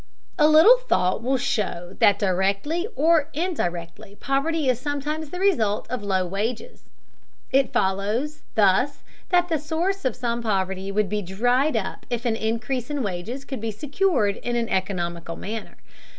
A little thought will show that directly or indirectly poverty is sometimes the result of low wages. It follows, thus, that the source of some poverty would be dried up if an increase in wages could be secured in an economical manner.